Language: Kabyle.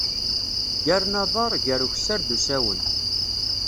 Ggaren aḍar, gar ukessar d usawen.